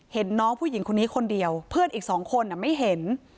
เห็นน้องผู้หญิงคนนี้คนเดียวเพื่อนอีกสองคนไม่เห็น